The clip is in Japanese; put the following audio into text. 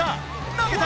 投げた！